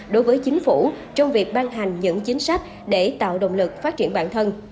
đối với chính phủ trong việc ban hành những chính sách để tạo động lực phát triển bản thân